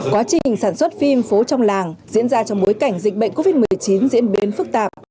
quá trình sản xuất phim phố trong làng diễn ra trong bối cảnh dịch bệnh covid một mươi chín diễn biến phức tạp